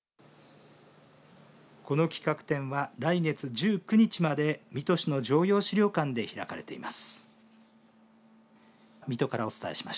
この企画展は来月１９日まで水戸市の常陽史料館で開かれています。